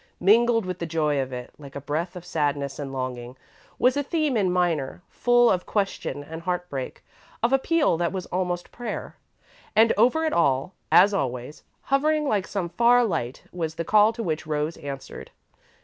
Mingled with the joy of it, like a breath of sadness and longing, was a theme in minor, full of question and heartbreak; of appeal that was almost prayer. And over it all, as always, hovering like some far light, was the call to which Rose answered.